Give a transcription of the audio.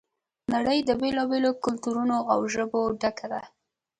نړۍ د بېلا بېلو کلتورونو او ژبو ډکه ده.